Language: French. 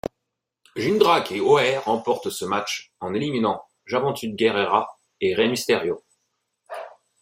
Jindrak et O'Haire remportent ce match en éliminant Juventud Guerrera et Rey Mysterio.